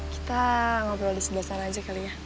kita ngobrol di sebelah sana aja kali ya